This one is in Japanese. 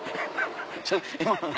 ちょっと今の何？